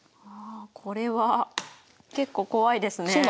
ああこれは結構怖いですね。